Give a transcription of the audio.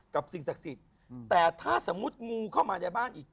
สิ่งศักดิ์สิทธิ์แต่ถ้าสมมุติงูเข้ามาในบ้านอีก